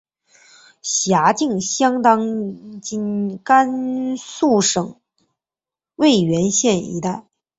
辖境相当今甘肃省渭源县一带。